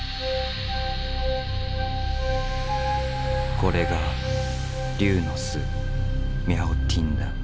これが龍の巣ミャオティンだ。